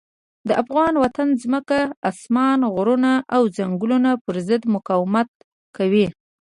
د افغان وطن ځمکه، اسمان، غرونه او ځنګلونه پر ضد مقاومت کوي.